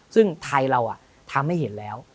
ซึ่งไทยเราทำให้เห็นแล้ว